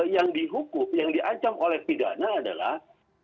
yang dihukum yang diancam oleh pidana adalah